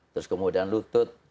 terus kemudian lutut